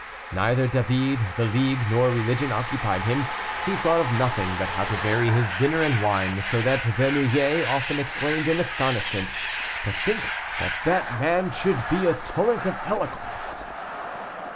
Neither David, the League, nor religion occupied him; he thought of nothing but how to vary his dinner and wine, so that Bernouillet often exclaimed in astonishment, "To think that that man should be a torrent of eloquence!"